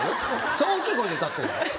それ大きい声で歌ってんの？